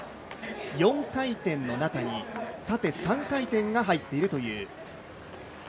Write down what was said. ４回転の中に縦３回転が入っているという。